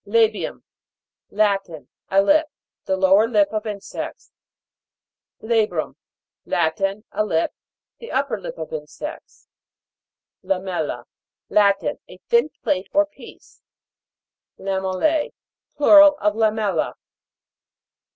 LA'BIUM. Latin. A lip. The lower lip of insects. LA'BRUM. Latin. A lip. The up per lip of insects. LAMEL'LA. Latin. A thin plate or piece. LAMEL'LA. Plural of lamella.